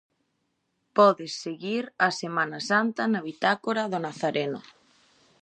Podes seguir a Semana Santa na bitácora do nazareno.